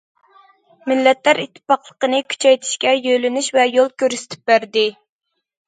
مىللەتلەر ئىتتىپاقلىقىنى كۈچەيتىشكە يۆنىلىش ۋە يول كۆرسىتىپ بەردى.